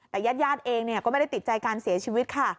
แต่ญาติเองก็ไม่ได้ติดใจการเสียชีวิตค่ะ